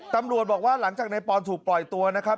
ตำรวจบอกว่าหลังจากในปอนถูกปล่อยตัวนะครับ